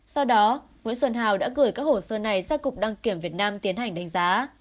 sau đó nguyễn xuân hào đã gửi các hồ sơ này sang cục đăng kiểm việt nam tiến hành đánh giá